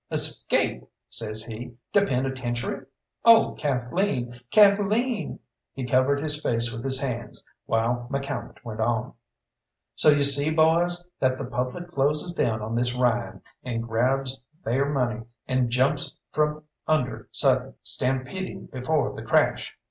"Escape!" says he "to penitentiary! Oh, Kathleen, Kathleen!" He covered his face with his hands, while McCalmont went on "So you see, boys, that the public closes down on this Ryan, and grabs theyr money, and jumps from under sudden, stampeding before the crash.